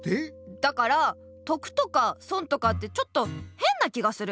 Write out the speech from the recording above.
だから得とか損とかってちょっとヘンな気がする。